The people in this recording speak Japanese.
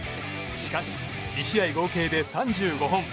しかし、２試合合計で３５本。